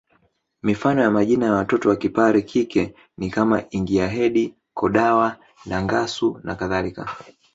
Mifano ya majina ya watoto wakipare kike ni kama Ingiahedi Kodawa Nangasu na kadhalika